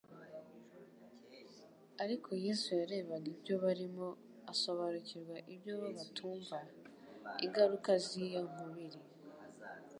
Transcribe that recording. ariko Yesu yarebaga ibyo barimo asobariukirwa ibyo bo batumva: ingaruka z'iyo nkubiri.